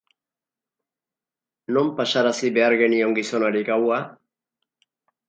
Non pasarazi behar genion gizonari gaua?